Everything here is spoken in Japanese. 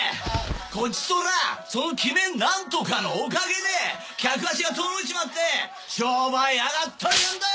こちとらその鬼面なんとかのおかげで客足が遠のいちまって商売あがったりなんだよ！